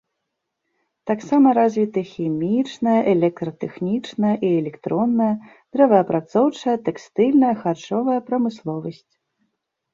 Таксама развіты хімічная, электратэхнічная і электронная, дрэваапрацоўчая, тэкстыльная, харчовая прамысловасць.